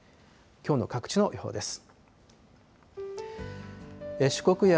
きょうの各地の予報です。